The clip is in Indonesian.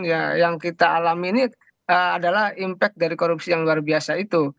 ya yang kita alami ini adalah impact dari korupsi yang luar biasa itu